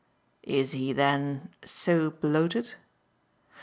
"And is he then so bloated?"